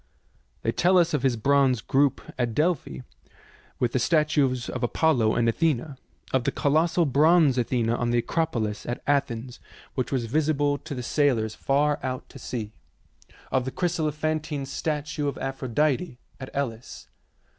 They tell us of his bronze group at Delphi, with the statues of Apollo and Athena; of the colossal bronze Athena on the Acropolis at Athens, which was visible to the sailors far out to sea; of the chryselephantine statue of Aphrodite at Elis.